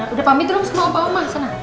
udah pamit dulu semua opa opa sana